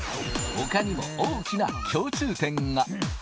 ほかにも大きな共通点が。